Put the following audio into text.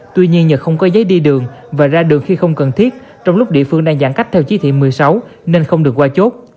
tuy nhiên nhờ không có giấy đi đường và ra đường khi không cần thiết trong lúc địa phương đang giãn cách theo chí thị một mươi sáu nên không được qua chốt